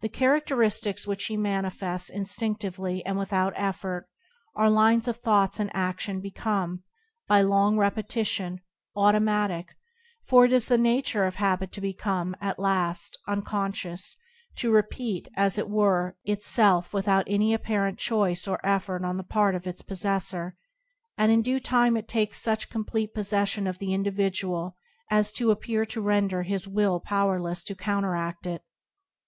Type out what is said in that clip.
The characteristics which he manifests instinctively and with out effort are lines of thought and a6tion become, by long repetition, automatic; for it is the nature of habit to become, at last, unconscious, to repeat, as it were, itself with out any apparent choice or effort on the part of its possessor; and in due time it takes such complete possession of the individual as to appear to render his will powerless to counteract it.